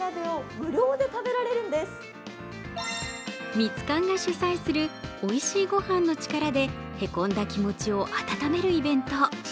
ミツカンが主催するおいしいご飯の力でへこんだ気持ちを温めるイベント。